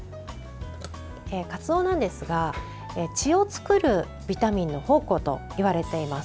かつおなんですが血を作るビタミンの宝庫といわれています。